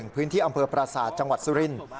พื้นที่อำเภอประสาทจังหวัดสุรินทร์